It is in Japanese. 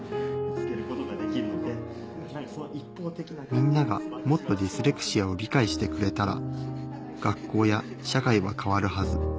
みんながもっとディスレクシアを理解してくれたら学校や社会は変わるはず